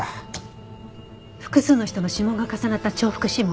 複数の人の指紋が重なった重複指紋。